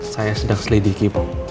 saya sedang selidiki bu